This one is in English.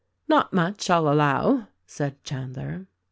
"Not much, I'll allow," said dandier.